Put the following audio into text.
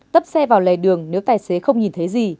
tấp xe vào lề đường nếu tài xế không nhìn thấy gì